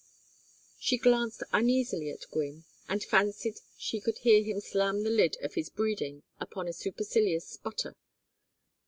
She glanced uneasily at Gwynne and fancied she could hear him slam the lid of his breeding upon a supercilious sputter.